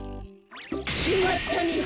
きまったね。